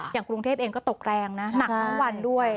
อย่างกรุงเทพเองก็ตกแรงนะหนักทั้งวันด้วย